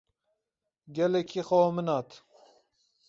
Gelekî xewa min hat.